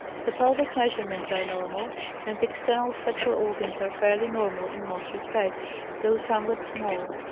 The pelvic measurements are normal, and the external sexual organs are fairly normal in most respects, though somewhat small.